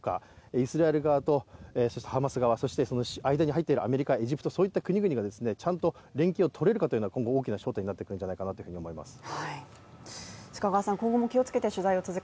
イスラエル側とハマス側そしてその間に入ってるアメリカ、エジプト、そういった国々がちゃんと連携をとれるのかというところが今後、大きな焦点になってくるのではないかと思います。